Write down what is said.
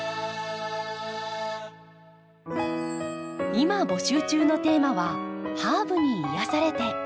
今募集中のテーマは「ハーブに癒やされて」。